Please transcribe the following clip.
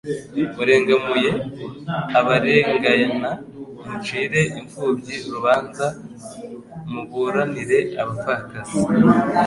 murengamue abarengana, mucire imfumbyi urubanza, muburanire abapfakazi,-"